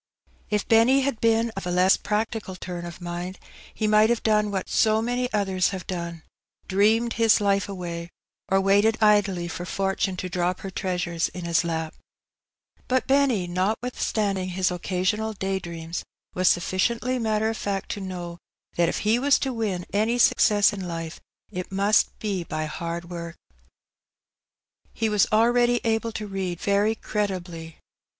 If Benny had been of a less practical turn, of mind, he might have done what so many others have done — dreamed his life away, or waited idly for fortune to drop her treasures A Glimpse of Paradise. 147 in his lap. Bat Behny^ notwithstanding his occasional day dreams^ was sufficiently matter of fact to know that if he was to win any success in life, it must be by hard work. He was already able to read very creditably.